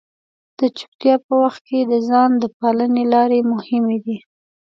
د چپتیا په وخت کې د ځان د پالنې لارې مهمې دي.